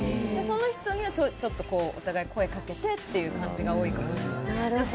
その人にはちょっとお互い声をかけてという感じが多いかもしれません。